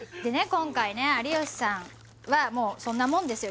今回ね有吉さんはもうそんなもんですよ